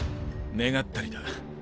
願ったりだ。